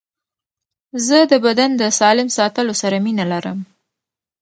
زه د بدن د سالم ساتلو سره مینه لرم.